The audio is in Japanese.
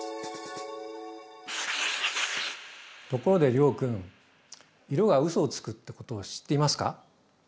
ところで諒君色がうそをつくってことを知っていますか？